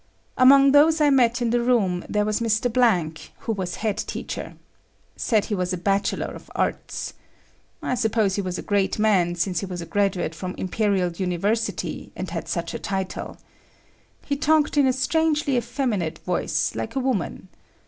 Among those I met in the room there was Mr. Blank who was head teacher. Said he was a Bachelor of Arts. I suppose he was a great man since he was a graduate from Imperial University and had such a title. He talked in a strangely effeminate voice like a woman.